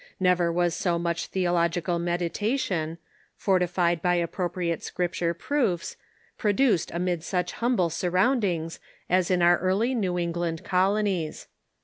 Never °"® was so much theological meditation, fortilied by ap propriate Scripture proofs, produced amid such humble sur roundings as in our early New England colonies.